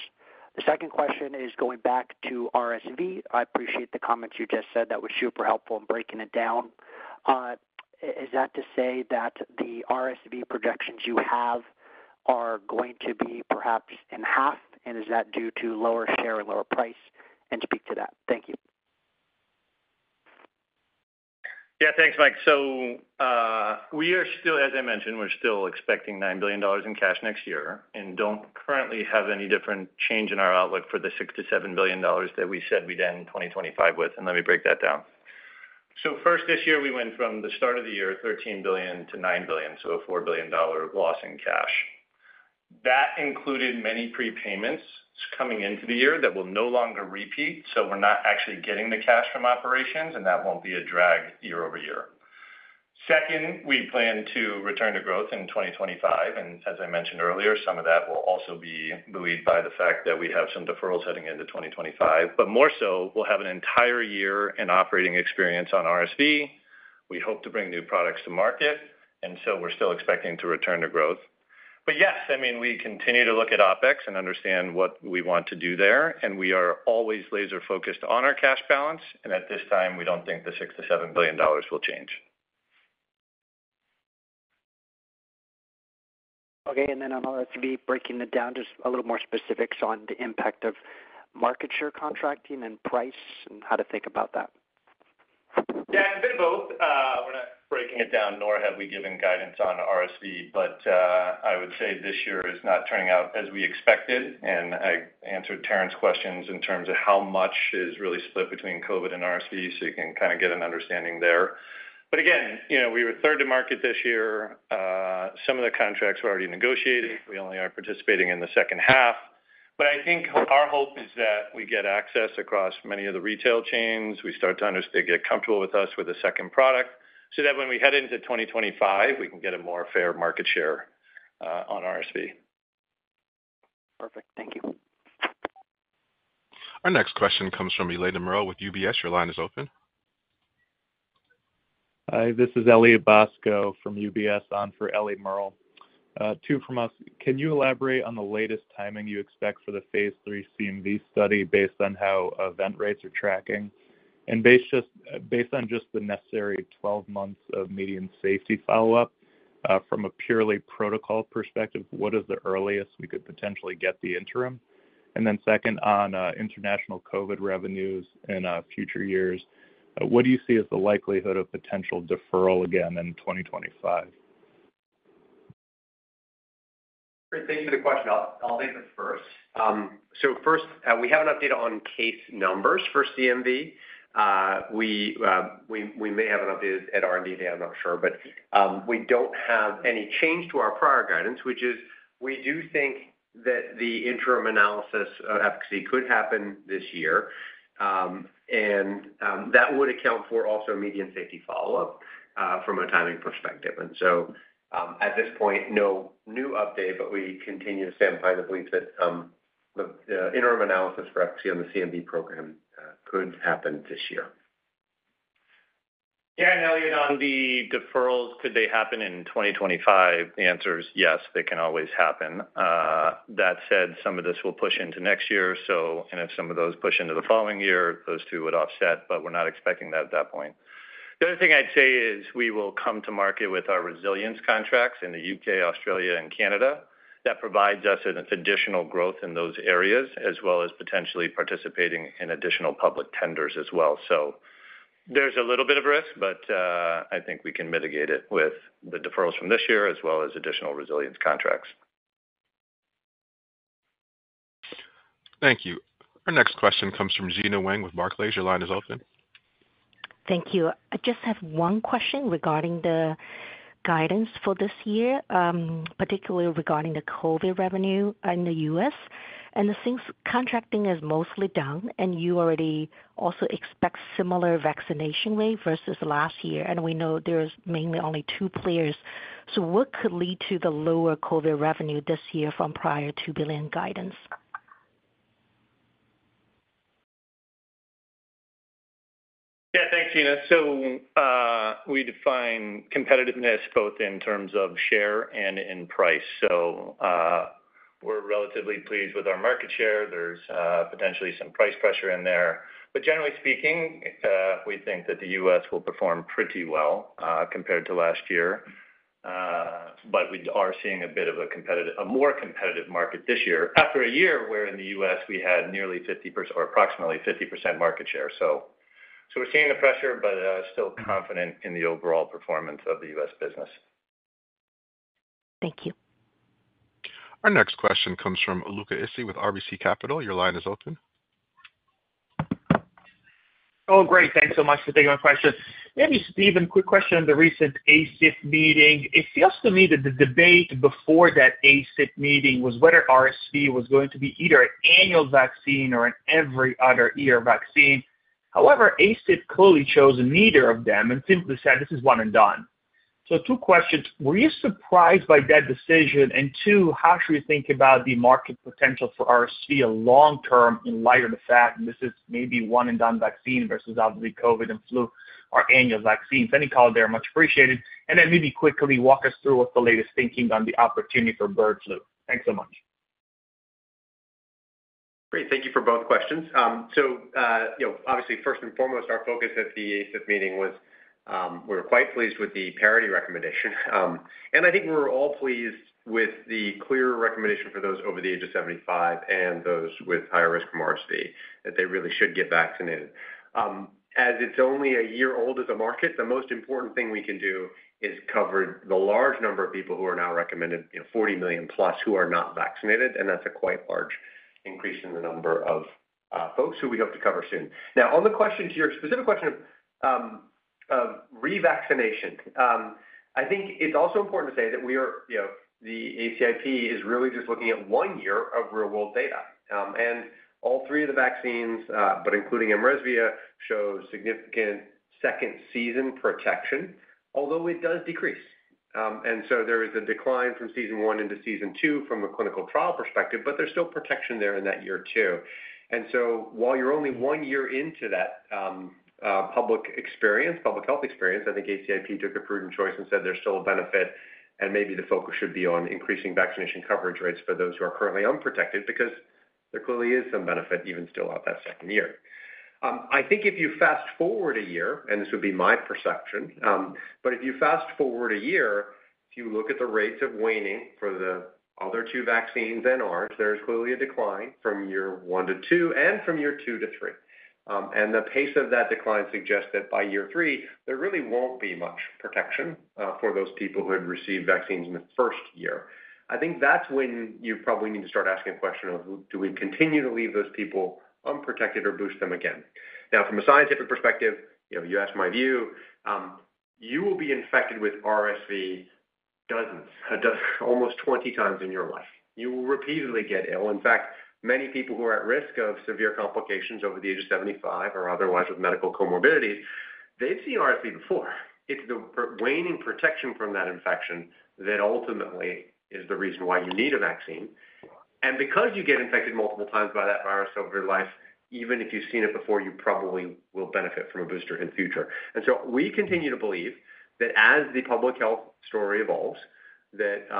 S9: The second question is going back to RSV. I appreciate the comments you just said. That was super helpful in breaking it down. Is that to say that the RSV projections you have are going to be perhaps in half? And is that due to lower share and lower price? And speak to that. Thank you.
S4: Yeah. Thanks, Mike. So we are still, as I mentioned, we're still expecting $9 billion in cash next year and don't currently have any different change in our outlook for the $6 billion-$7 billion that we said we'd end 2025 with. And let me break that down. So first, this year, we went from the start of the year $13 billion to $9 billion, so a $4 billion loss in cash. That included many prepayments coming into the year that will no longer repeat. So we're not actually getting the cash from operations, and that won't be a drag year-over-year. Second, we plan to return to growth in 2025. And as I mentioned earlier, some of that will also be buoyed by the fact that we have some deferrals heading into 2025. But more so, we'll have an entire year in operating experience on RSV. We hope to bring new products to market. And so we're still expecting to return to growth. But yes, I mean, we continue to look at OpEx and understand what we want to do there. And we are always laser-focused on our cash balance. And at this time, we don't think the $6 billion-$7 billion will change.
S9: Okay. And then on RSV, breaking it down, just a little more specifics on the impact of market share contracting and price and how to think about that.
S4: Yeah. It's a bit of both. We're not breaking it down, nor have we given guidance on RSV. But I would say this year is not turning out as we expected. And I answered Terrence's questions in terms of how much is really split between COVID and RSV, so you can kind of get an understanding there. But again, we were third to market this year. Some of the contracts were already negotiated. We only are participating in the second half. But I think our hope is that we get access across many of the retail chains. We start to get comfortable with us with a second product so that when we head into 2025, we can get a more fair market share on RSV.
S9: Perfect. Thank you.
S1: Our next question comes from Eliana Merle with UBS. Your line is open.
S10: Hi. This is Elie Bosko from UBS on for Eliana Merle. Two from us. Can you elaborate on the latest timing you expect for the phase III CMV study based on how event rates are tracking? And based on just the necessary 12 months of median safety follow-up, from a purely protocol perspective, what is the earliest we could potentially get the interim? And then second, on international COVID revenues in future years, what do you see as the likelihood of potential deferral again in 2025?
S4: Great. Thank you for the question. I'll take it first. So first, we have an update on case numbers for CMV. We may have an update at R&D today. I'm not sure. But we don't have any change to our prior guidance, which is we do think that the interim analysis of efficacy could happen this year. And that would account for also median safety follow-up from a timing perspective. And so at this point, no new update, but we continue to stand by the belief that the interim analysis for efficacy on the CMV program could happen this year.
S5: Yeah. And Elie, on the deferrals, could they happen in 2025? The answer is yes. They can always happen. That said, some of this will push into next year. So and if some of those push into the following year, those two would offset, but we're not expecting that at that point. The other thing I'd say is we will come to market with our resilience contracts in the U.K., Australia, and Canada. That provides us with additional growth in those areas as well as potentially participating in additional public tenders as well. So there's a little bit of risk, but I think we can mitigate it with the deferrals from this year as well as additional resilience contracts.
S1: Thank you. Our next question comes from Gena Wang with Barclays. Your line is open.
S11: Thank you. I just have one question regarding the guidance for this year, particularly regarding the COVID revenue in the US. Since contracting is mostly down, and you already also expect similar vaccination rate versus last year, and we know there's mainly only two players. What could lead to the lower COVID revenue this year from prior $2 billion guidance?
S5: Yeah. Thanks, Gena. So we define competitiveness both in terms of share and in price. So we're relatively pleased with our market share. There's potentially some price pressure in there. But generally speaking, we think that the U.S. will perform pretty well compared to last year. But we are seeing a bit of a more competitive market this year. After a year where in the U.S. we had nearly 50% or approximately 50% market share. So we're seeing the pressure, but still confident in the overall performance of the U.S. business.
S11: Thank you.
S1: Our next question comes from Luca Issi with RBC Capital. Your line is open.
S12: Oh, great. Thanks so much for taking my question. Maybe, Stephan, quick question on the recent ACIP meeting. It feels to me that the debate before that ACIP meeting was whether RSV was going to be either an annual vaccine or an every other year vaccine. However, ACIP clearly chose neither of them and simply said, "This is one and done." So two questions. Were you surprised by that decision? And two, how should we think about the market potential for RSV long-term in light of the fact this is maybe one-and-done vaccine versus obviously COVID and flu are annual vaccines? Any comments there? Much appreciated. And then maybe quickly walk us through what's the latest thinking on the opportunity for bird flu? Thanks so much.
S5: Great. Thank you for both questions. So obviously, first and foremost, our focus at the ACIP meeting was we were quite pleased with the parity recommendation. And I think we were all pleased with the clear recommendation for those over the age of 75 and those with higher risk from RSV that they really should get vaccinated. As it's only a year old as a market, the most important thing we can do is cover the large number of people who are now recommended, 40 million+, who are not vaccinated. And that's a quite large increase in the number of folks who we hope to cover soon. Now, on the question to your specific question of revaccination, I think it's also important to say that the ACIP is really just looking at one year of real-world data. All three of the vaccines, but including mRESVIA, show significant second season protection, although it does decrease. So there is a decline from season one into season two from a clinical trial perspective, but there's still protection there in that year too. So while you're only one year into that public experience, public health experience, I think ACIP took a prudent choice and said there's still a benefit. Maybe the focus should be on increasing vaccination coverage rates for those who are currently unprotected because there clearly is some benefit even still out that second year. I think if you fast forward a year, and this would be my perception, but if you fast forward a year, if you look at the rates of waning for the other two vaccines and ours, there's clearly a decline from year 1 to 2 and from year 2 to 3. The pace of that decline suggests that by year 3, there really won't be much protection for those people who had received vaccines in the first year. I think that's when you probably need to start asking a question of, "Do we continue to leave those people unprotected or boost them again?" Now, from a scientific perspective, you asked my view. You will be infected with RSV dozens, almost 20 times in your life. You will repeatedly get ill. In fact, many people who are at risk of severe complications over the age of 75 or otherwise with medical comorbidities, they've seen RSV before. It's the waning protection from that infection that ultimately is the reason why you need a vaccine. And because you get infected multiple times by that virus over your life, even if you've seen it before, you probably will benefit from a booster in the future. And so we continue to believe that as the public health story evolves, that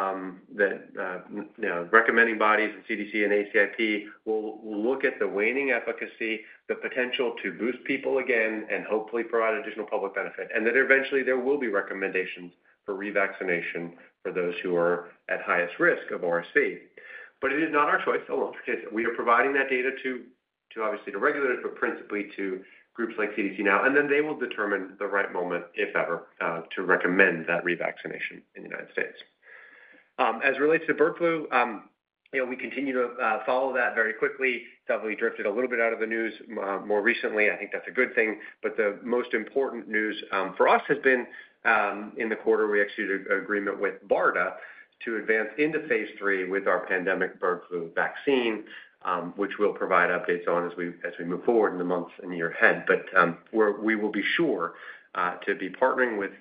S5: recommending bodies and CDC and ACIP will look at the waning efficacy, the potential to boost people again, and hopefully provide additional public benefit. And that eventually, there will be recommendations for revaccination for those who are at highest risk of RSV. But it is not our choice. We are providing that data to obviously the regulators, but principally to groups like CDC now. And then they will determine the right moment, if ever, to recommend that revaccination in the United States. As it relates to bird flu, we continue to follow that very quickly. Definitely drifted a little bit out of the news more recently. I think that's a good thing. But the most important news for us has been in the quarter, we executed an agreement with BARDA to advance into phase three with our pandemic bird flu vaccine, which we'll provide updates on as we move forward in the months and year ahead. But we will be sure to be partnering with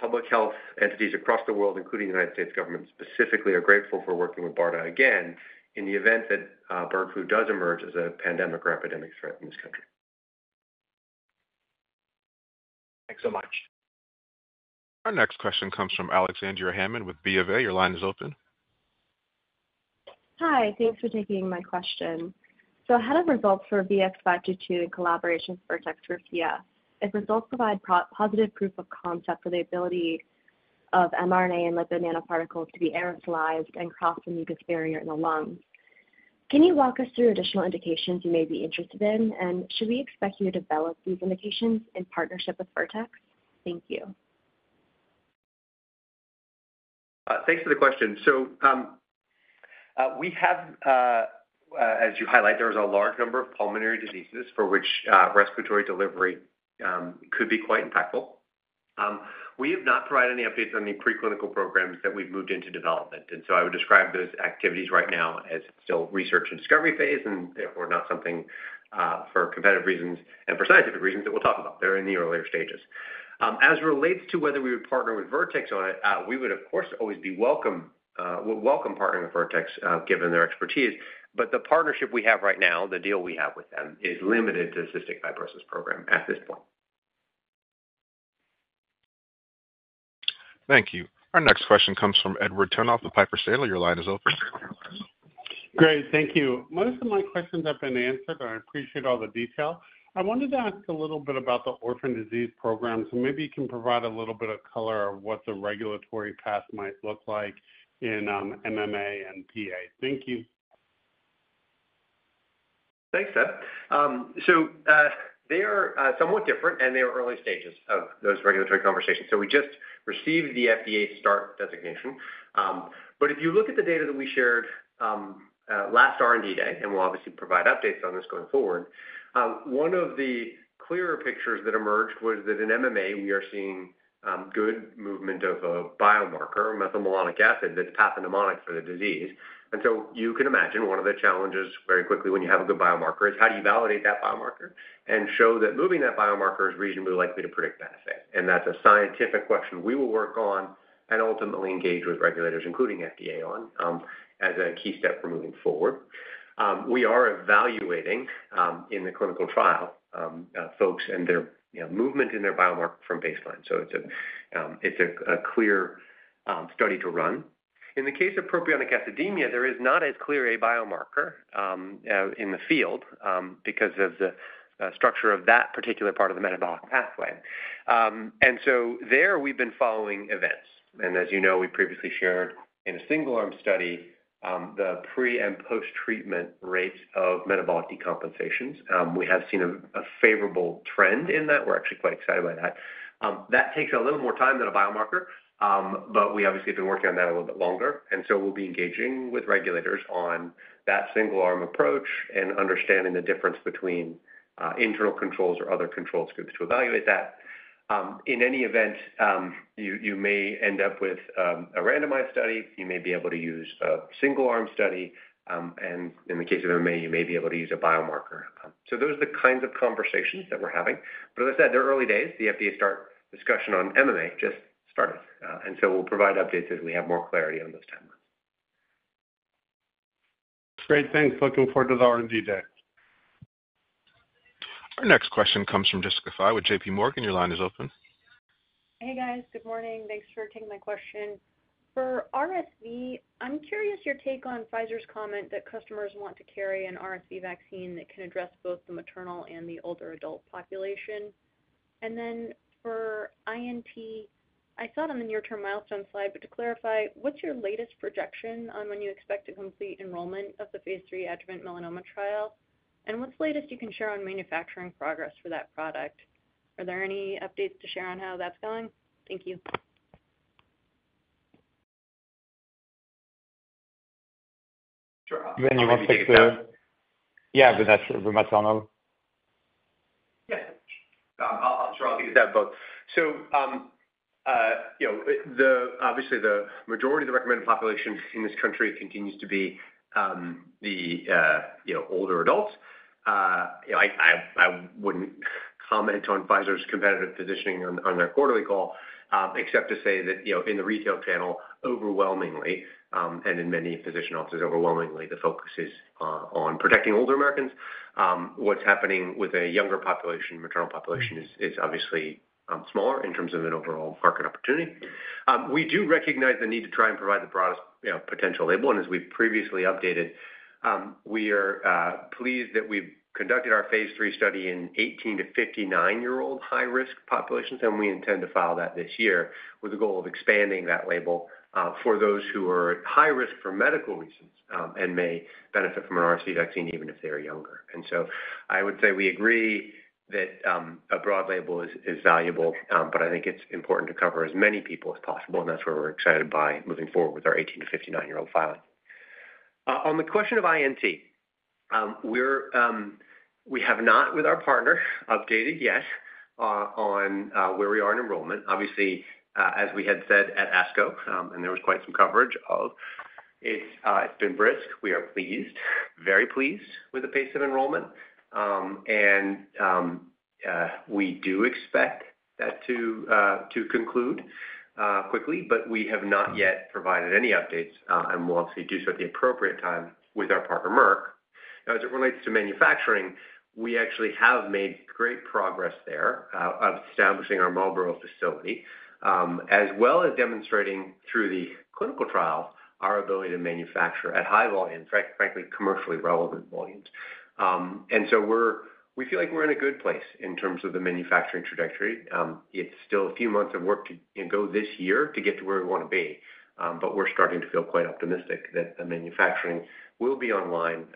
S5: public health entities across the world, including the United States government specifically. We're grateful for working with BARDA again in the event that bird flu does emerge as a pandemic or epidemic threat in this country.
S12: Thanks so much.
S1: Our next question comes from Alec Stranahan with B of A. Your line is open.
S13: Hi. Thanks for taking my question. So ahead of results for VX-522 in collaboration with Vertex Pharmaceuticals, if results provide positive proof of concept for the ability of mRNA and lipid nanoparticles to be aerosolized and cross the mucus barrier in the lungs, can you walk us through additional indications you may be interested in? And should we expect you to develop these indications in partnership with Vertex? Thank you.
S4: Thanks for the question. So we have, as you highlight, there is a large number of pulmonary diseases for which respiratory delivery could be quite impactful. We have not provided any updates on the preclinical programs that we've moved into development. And so I would describe those activities right now as still research and discovery phase and therefore not something for competitive reasons and for scientific reasons that we'll talk about. They're in the earlier stages. As it relates to whether we would partner with Vertex on it, we would, of course, always be welcome partnering with Vertex given their expertise. But the partnership we have right now, the deal we have with them, is limited to the cystic fibrosis program at this point.
S1: Thank you. Our next question comes from Edward Tenthoff with Piper Sandler. Your line is open.
S14: Great. Thank you. Most of my questions have been answered. I appreciate all the detail. I wanted to ask a little bit about the orphan disease program. So maybe you can provide a little bit of color of what the regulatory path might look like in MMA and PA. Thank you.
S4: Thanks, Ted. So they are somewhat different, and they are early stages of those regulatory conversations. So we just received the FDA START designation. But if you look at the data that we shared last R&D day, and we'll obviously provide updates on this going forward, one of the clearer pictures that emerged was that in MMA, we are seeing good movement of a biomarker, methylmalonic acid, that's pathognomonic for the disease. And so you can imagine one of the challenges very quickly when you have a good biomarker is how do you validate that biomarker and show that moving that biomarker is reasonably likely to predict benefit. And that's a scientific question we will work on and ultimately engage with regulators, including FDA, on as a key step for moving forward. We are evaluating in the clinical trial folks and their movement in their biomarker from baseline. So it's a clear study to run. In the case of propionic acidemia, there is not as clear a biomarker in the field because of the structure of that particular part of the metabolic pathway. And so there, we've been following events. And as you know, we previously shared in a single-arm study the pre and post-treatment rates of metabolic decompensations. We have seen a favorable trend in that. We're actually quite excited by that. That takes a little more time than a biomarker, but we obviously have been working on that a little bit longer. And so we'll be engaging with regulators on that single-arm approach and understanding the difference between internal controls or other control groups to evaluate that. In any event, you may end up with a randomized study. You may be able to use a single-arm study. In the case of MMA, you may be able to use a biomarker. So those are the kinds of conversations that we're having. As I said, they're early days. The FDA START discussion on MMA just started. So we'll provide updates as we have more clarity on those timelines.
S14: Great. Thanks. Looking forward to the R&D day.
S1: Our next question comes from Jessica Fye with J.P. Morgan. Your line is open.
S15: Hey, guys. Good morning. Thanks for taking my question. For RSV, I'm curious your take on Pfizer's comment that customers want to carry an RSV vaccine that can address both the maternal and the older adult population. And then for INT, I saw it on the near-term milestone slide, but to clarify, what's your latest projection on when you expect to complete enrollment of the phase three adjuvant melanoma trial? And what's the latest you can share on manufacturing progress for that product? Are there any updates to share on how that's going? Thank you.
S8: Yeah, let me comment on.
S4: Yeah. So obviously, the majority of the recommended population in this country continues to be the older adults. I wouldn't comment on Pfizer's competitive positioning on their quarterly call except to say that in the retail channel, overwhelmingly, and in many physician offices, overwhelmingly, the focus is on protecting older Americans. What's happening with a younger population, maternal population, is obviously smaller in terms of an overall market opportunity. We do recognize the need to try and provide the broadest potential label. And as we've previously updated, we are pleased that we've conducted our phase III study in 18-59-year-old high-risk populations. And we intend to file that this year with the goal of expanding that label for those who are at high risk for medical reasons and may benefit from an RSV vaccine even if they are younger. And so I would say we agree that a broad label is valuable, but I think it's important to cover as many people as possible. And that's where we're excited by moving forward with our 18-59-year-old filing. On the question of INT, we have not, with our partner, updated yet on where we are in enrollment. Obviously, as we had said at ASCO, and there was quite some coverage of it's been brisk. We are pleased, very pleased with the pace of enrollment. And we do expect that to conclude quickly, but we have not yet provided any updates. And we'll obviously do so at the appropriate time with our partner, Merck. Now, as it relates to manufacturing, we actually have made great progress there of establishing our Marlborough facility, as well as demonstrating through the clinical trial our ability to manufacture at high volumes, frankly, commercially relevant volumes. And so we feel like we're in a good place in terms of the manufacturing trajectory. It's still a few months of work to go this year to get to where we want to be. But we're starting to feel quite optimistic that the manufacturing will be online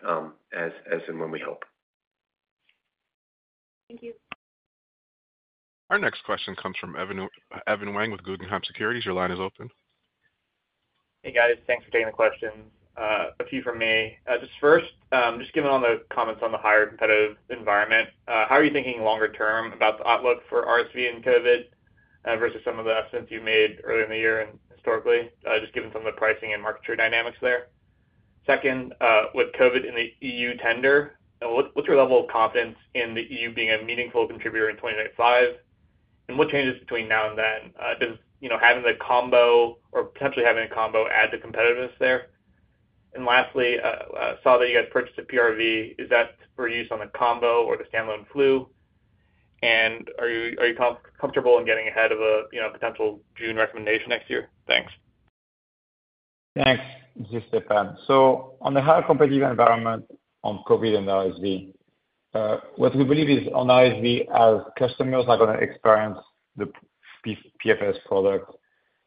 S4: as and when we hope.
S15: Thank you.
S1: Our next question comes from Evan Wang with Guggenheim Securities. Your line is open.
S16: Hey, guys. Thanks for taking the questions. A few from me. Just first, just given the comments on the higher competitive environment, how are you thinking longer term about the outlook for RSV and COVID versus some of the estimates you made earlier in the year and historically, just given some of the pricing and market share dynamics there? Second, with COVID in the EU tender, what's your level of confidence in the EU being a meaningful contributor in 2025? And what changes between now and then? Does having the combo or potentially having a combo add to competitiveness there? And lastly, I saw that you guys purchased a PRV. Is that for use on a combo or the standalone flu? And are you comfortable in getting ahead of a potential June recommendation next year? Thanks.
S5: Thanks. This is Stéphane. So on the higher competitive environment on COVID and RSV, what we believe is on RSV, our customers are going to experience the PFS product.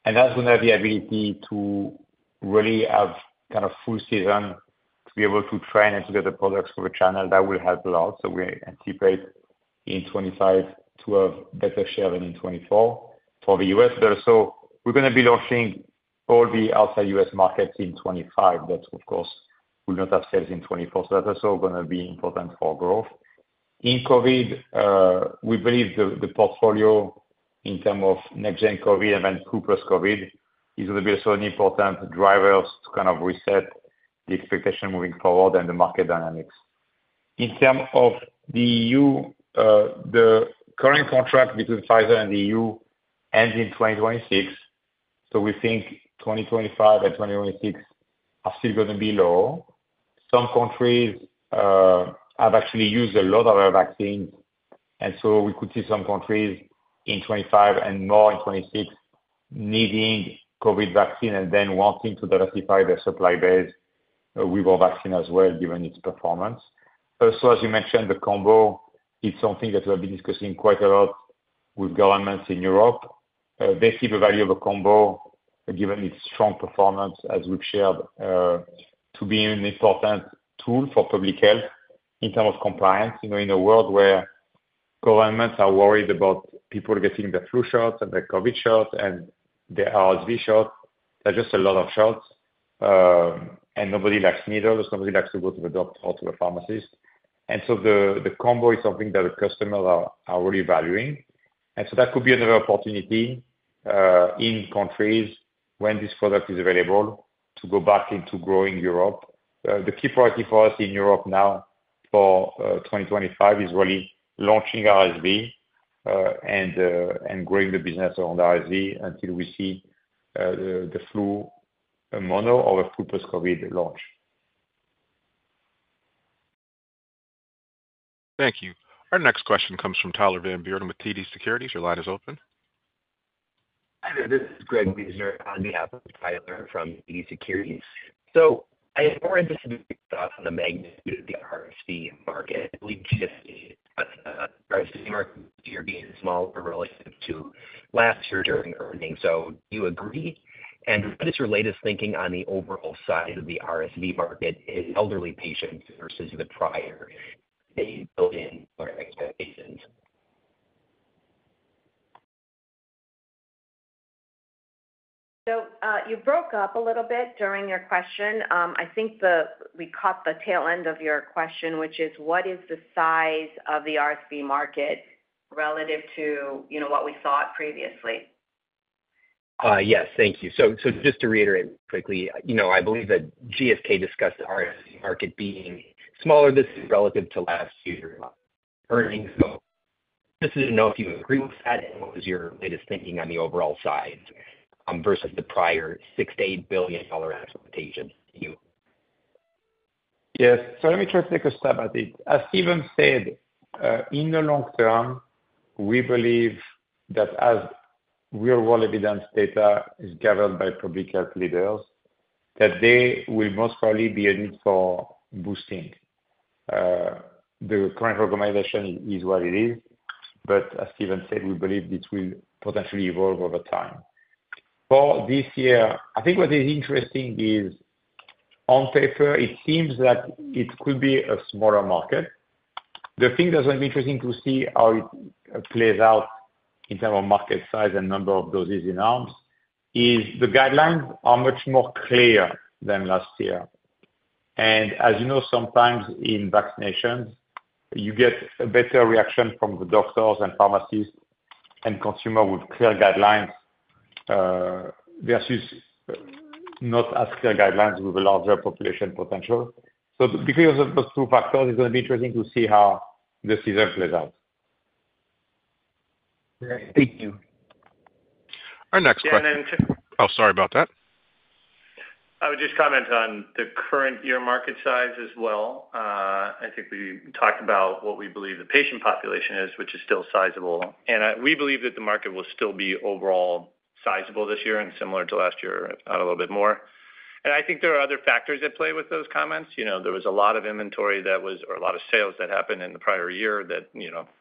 S5: And that's going to have the ability to really have kind of full season to be able to train and to get the products for the channel. That will help a lot. So we anticipate in 2025 to have better share than in 2024 for the US. But also we're going to be launching all the outside US markets in 2025. But of course, we'll not have sales in 2024. So that's also going to be important for growth. In COVID, we believe the portfolio in terms of next-gen COVID and then through post-COVID is going to be also an important driver to kind of reset the expectation moving forward and the market dynamics. In terms of the EU, the current contract between Pfizer and the EU ends in 2026. So we think 2025 and 2026 are still going to be low. Some countries have actually used a lot of our vaccines. And so we could see some countries in 2025 and more in 2026 needing COVID vaccine and then wanting to diversify their supply base with our vaccine as well, given its performance. Also, as you mentioned, the combo is something that we have been discussing quite a lot with governments in Europe. They see the value of a combo, given its strong performance, as we've shared, to be an important tool for public health in terms of compliance. In a world where governments are worried about people getting the flu shots and the COVID shots and the RSV shots, there are just a lot of shots. And nobody likes needles. Nobody likes to go to the doctor or to a pharmacist. And so the combo is something that the customers are really valuing. And so that could be another opportunity in countries when this product is available to go back into growing Europe. The key priority for us in Europe now for 2025 is really launching RSV and growing the business around RSV until we see the flu mono or the full post-COVID launch.
S1: Thank you. Our next question comes from Tyler Van Buren with TD Securities. Your line is open.
S17: Hi, there. This is Greg Wieser on behalf of Tyler from TD Securities. So I am more interested in your thoughts on the magnitude of the RSV market. We just assessed the RSV market this year being small relative to last year during earnings. So do you agree? And what is your latest thinking on the overall size of the RSV market in elderly patients versus the prior $8 billion expectations?
S3: So you broke up a little bit during your question. I think we caught the tail end of your question, which is what is the size of the RSV market relative to what we saw previously?
S17: Yes. Thank you. So just to reiterate quickly, I believe that GSK discussed the RSV market being smaller this year relative to last year's earnings. So just to know if you agree with that, and what was your latest thinking on the overall size versus the prior $6-$8 billion expectations?
S4: Yes. So let me try to take a step back. As Stephen said, in the long term, we believe that as real-world evidence data is gathered by public health leaders, that there will most probably be a need for boosting. The current recommendation is what it is. But as Stephen said, we believe this will potentially evolve over time. For this year, I think what is interesting is on paper, it seems that it could be a smaller market. The thing that's going to be interesting to see how it plays out in terms of market size and number of doses in arms is the guidelines are much more clear than last year. And as you know, sometimes in vaccinations, you get a better reaction from the doctors and pharmacists and consumers with clear guidelines versus not as clear guidelines with a larger population potential. Because of those two factors, it's going to be interesting to see how the season plays out.
S17: Thank you.
S1: Our next question.
S5: And then.
S1: Oh, sorry about that.
S3: I would just comment on the current year market size as well. I think we talked about what we believe the patient population is, which is still sizable. We believe that the market will still be overall sizable this year and similar to last year, a little bit more. I think there are other factors at play with those comments. There was a lot of inventory that was or a lot of sales that happened in the prior year that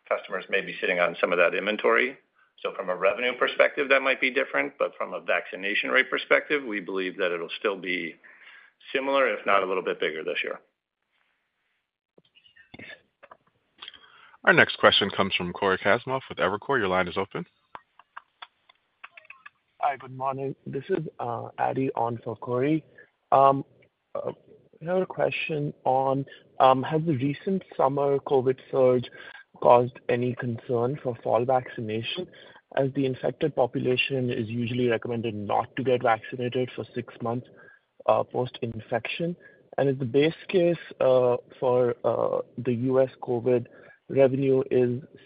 S3: customers may be sitting on some of that inventory. So from a revenue perspective, that might be different. But from a vaccination rate perspective, we believe that it'll still be similar, if not a little bit bigger this year.
S1: Our next question comes from Cory Kasimov with Evercore ISI. Your line is open.
S18: Hi, good morning. This is Adi in for Cory. I have a question on has the recent summer COVID surge caused any concern for fall vaccination as the infected population is usually recommended not to get vaccinated for six months post-infection? And is the base case for the US COVID revenue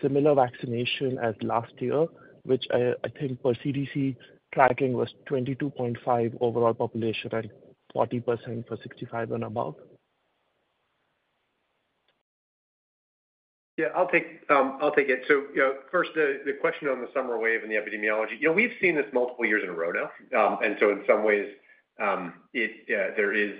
S18: similar vaccination as last year, which I think per CDC tracking was 22.5% overall population and 40% for 65 and above?
S4: Yeah. I'll take it. So first, the question on the summer wave and the epidemiology. We've seen this multiple years in a row now. And so in some ways, there is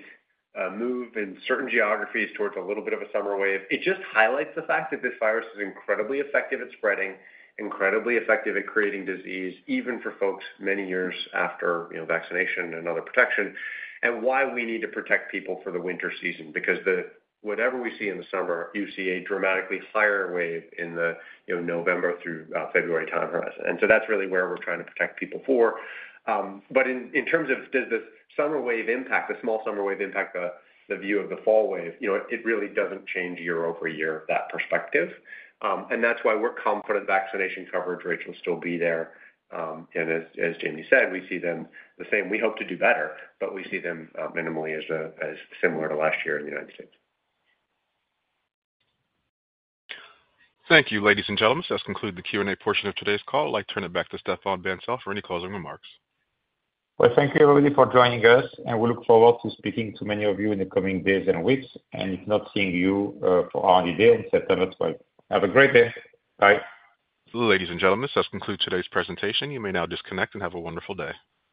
S4: a move in certain geographies towards a little bit of a summer wave. It just highlights the fact that this virus is incredibly effective at spreading, incredibly effective at creating disease, even for folks many years after vaccination and other protection, and why we need to protect people for the winter season. Because whatever we see in the summer, you see a dramatically higher wave in the November through February time horizon. And so that's really where we're trying to protect people for. But in terms of does the summer wave impact, the small summer wave impact the view of the fall wave, it really doesn't change year-over-year that perspective. And that's why we're confident vaccination coverage rate will still be there. And as Jamey said, we see them the same. We hope to do better, but we see them minimally as similar to last year in the United States.
S1: Thank you, ladies and gentlemen. That's concluded the Q&A portion of today's call. I'd like to turn it back to Stéphane Bancel for any closing remarks.
S3: Well, thank you, everybody, for joining us. We look forward to speaking to many of you in the coming days and weeks. If not seeing you for our R&D Day on September 12th, have a great day. Bye.
S1: Ladies and gentlemen, so that's concluded today's presentation. You may now disconnect and have a wonderful day.